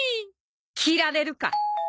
着られるか！